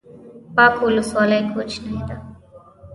باک ولسوالۍ کوچنۍ ده؟